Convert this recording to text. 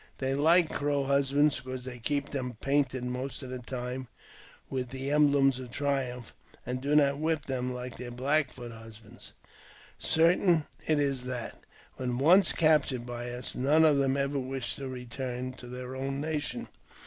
They like Crow husbands, because they keep them painted most of the time with the emblems of triumph, and do not whip them like their Black Foot husbands. Certain it is that, when once captured by us, none of them ever wished to return to their own nation.